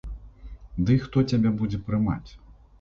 Дый хто цябе будзе прымаць.